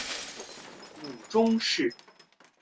母仲氏。